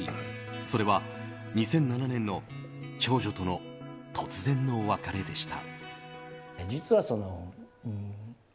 それは２００７年の長女との突然の別れでした。